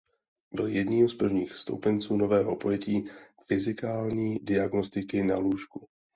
Byl jedním z prvních stoupenců nového pojetí fyzikální diagnostiky na lůžku.